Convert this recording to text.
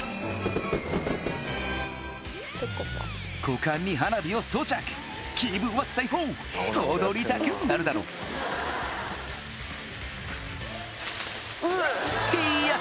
股間に花火を装着気分は最フォ踊りたくなるだろういーや